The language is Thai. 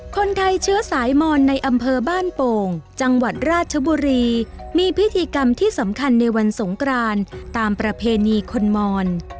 คนไทยเชื้อสายมอนในอำเภอบ้านโป่งจังหวัดราชบุรีมีพิธีกรรมที่สำคัญในวันสงกรานตามประเพณีคนมอน